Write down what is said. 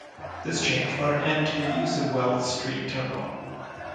This change brought an end to the use of Wells Street Terminal.